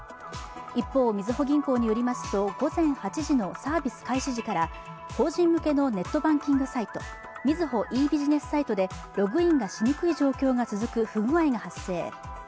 一方、みずほ銀行によりますと午前８時のサービス開始時から法人向けのネットバンキングサイト、みずほｅ−ビジネスサイトでログインがしにくい状況が続く不具合が発生。